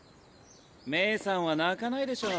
冥さんは泣かないでしょ。